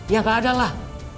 ya gak ada lah